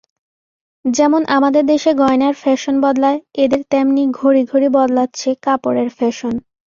যেমন আমাদের দেশে গয়নার ফ্যাশন বদলায়, এদের তেমনি ঘড়ি ঘড়ি বদলাচ্ছে কাপড়ের ফ্যাশন।